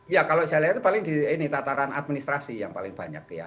ya kalau saya lihat itu paling di ini tataran administrasi yang paling banyak ya